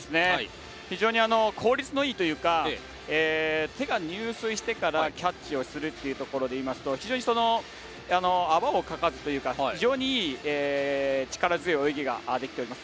非常に効率のいいというか手が入水してからキャッチをするところでいいますと非常に泡をかかずというか非常にいい、力強い泳ぎができています。